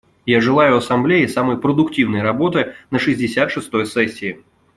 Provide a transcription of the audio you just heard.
Я желаю Ассамблее самой продуктивной работы на шестьдесят шестой сессии.